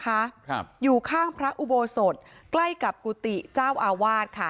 ครับอยู่ข้างพระอุโบสถใกล้กับกุฏิเจ้าอาวาสค่ะ